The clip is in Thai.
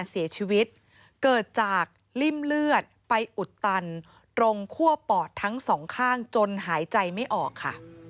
ริ่มเลือดไปอุดตันตรงคั่วปอดทั้งสองข้างจนหายใจไม่ออกค่ะ